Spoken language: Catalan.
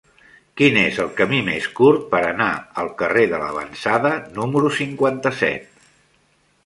Quin és el camí més curt per anar al carrer de L'Avançada número cinquanta-set?